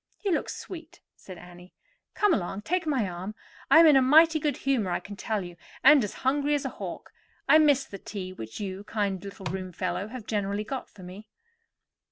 "You look sweet," said Annie. "Come along, take my arm. I am in a mighty good humor, I can tell you, and as hungry as a hawk. I missed the tea which you, you kind little roomfellow, have generally got for me."